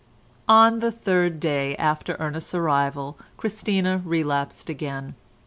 On the third day after Ernest's arrival Christina relapsed again.